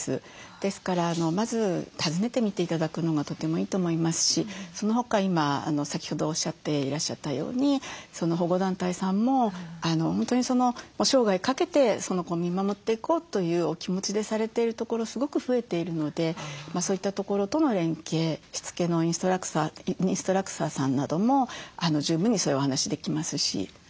ですからまず訪ねてみて頂くのがとてもいいと思いますしそのほか今先ほどおっしゃっていらっしゃったように保護団体さんも本当に生涯かけてその子を見守っていこうというお気持ちでされているところすごく増えているのでそういったところとの連携しつけのインストラクターさんなども十分にそういうお話できますし。